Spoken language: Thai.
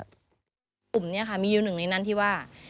สิทธิ์กูมนี้ค่ะมีอยู่หนึ่งหนึ่งในนั้นที่ว่า